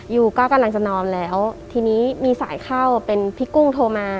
ยูก็กำลังจะนอนแล้วทีนี้มีสายเข้าเป็นพี่กุ้งโทรมา